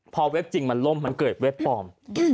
พอเว็บจริงมันล่มมันเกิดเว็บปลอม